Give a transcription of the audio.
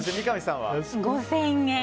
５０００円。